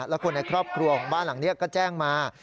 และคนในครอบครัวของบ้านหลังนี้ก็แจ้งมา